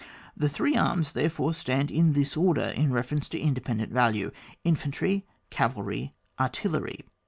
The three arms, there fore, stand in this order in reference to independent value — Infantry, Cavalry, Artillery.